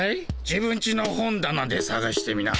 自分ちの本だなでさがしてみな。